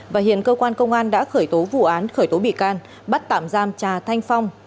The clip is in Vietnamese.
và hiện cơ quan công an đã khởi tố vụ án khởi tố bị can bắt tạm giam trà thanh phong